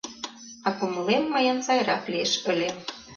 — А кумылем мыйын сайрак лиеш ыле.